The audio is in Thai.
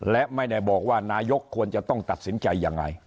และไม่ได้บอกว่านายกควรจะต้องตัดสินใจยังไง